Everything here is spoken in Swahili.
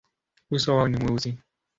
Uso wao ni mweusi.